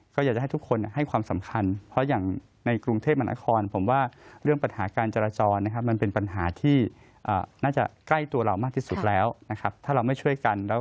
ก็อยากจะให้ทุกคนให้ความสำคัญ